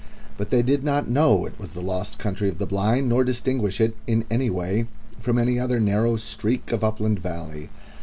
But they did not know it was the lost Country of the Blind, nor distinguish it in any way from any other narrow streak of upland valley.